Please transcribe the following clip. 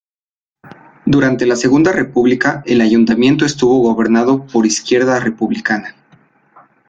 Durante la Segunda República el Ayuntamiento estuvo gobernado por Izquierda Republicana.